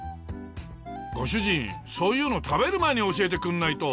ご主人そういうの食べる前に教えてくれないと。